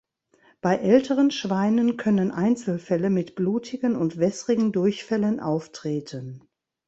Bei älteren Schweinen können Einzelfälle mit blutigen und wässrigen Durchfällen auftreten.